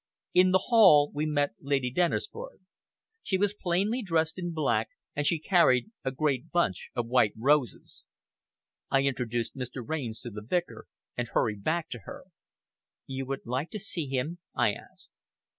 In the hall we met Lady Dennisford. She was plainly dressed in black, and she carried a great bunch of white roses. I introduced Mr. Raynes to the vicar, and hurried back to her. "You would like to see him?" I asked.